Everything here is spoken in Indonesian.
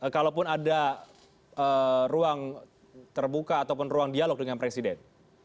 kalaupun ada ruang terbuka ataupun ruang dialog dengan presiden